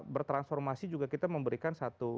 bertransformasi juga kita memberikan satu